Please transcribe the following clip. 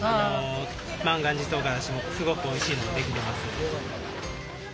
万願寺とうがらしもすごくおいしいのが出来てます。